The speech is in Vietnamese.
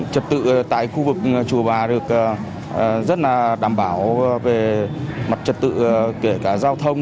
trật tự tại khu vực chùa bà được rất là đảm bảo về mặt trật tự kể cả giao thông